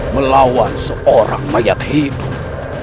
melawan seorang mayat hidup